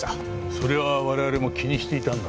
それは我々も気にしていたんだ。